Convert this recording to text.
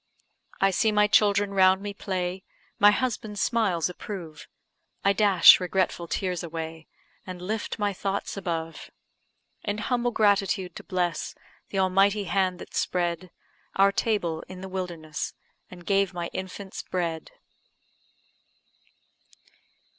I see my children round me play, My husband's smiles approve; I dash regretful tears away, And lift my thoughts above: In humble gratitude to bless The Almighty hand that spread Our table in the wilderness, And gave my infants bread.